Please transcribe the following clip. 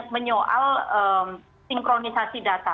menyoal sinkronisasi data